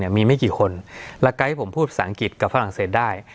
เนี่ยมีไม่กี่คนแล้วไก๊ผมพูดภาษาอังกฤษกับฝรั่งเศสได้